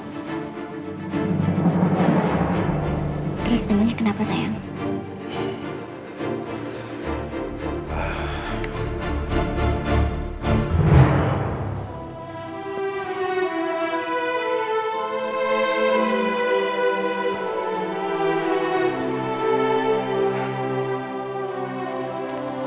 terus namanya kenapa sayang